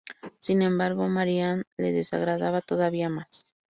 Sin embargo, Marie Anne la desagradaba todavía más.